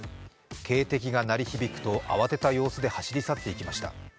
警笛が鳴り響くと、慌てた様子で走り去っていきました。